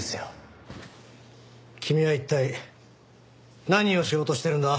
君は一体何をしようとしてるんだ？